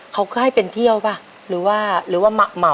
เขาก็ให้เป็นเที่ยวหรือว่าเหมา